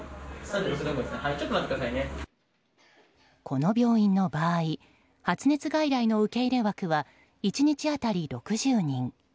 この病院の場合発熱外来の受け入れ枠は１日当たり６０人。